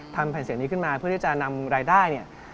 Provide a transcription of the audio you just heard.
แผ่นเสียงนี้ขึ้นมาเพื่อที่จะนำรายได้เนี่ย